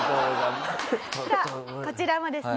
さあこちらもですね